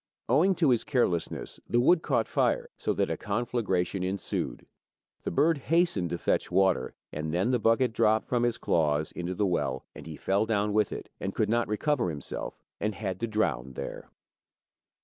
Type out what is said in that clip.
Owing to his carelessness the wood caught fire, so that a conflagration ensued, the bird hastened to fetch water, and then the bucket dropped from his claws into the well, and he fell down with it, and could not recover himself, but had to drown there.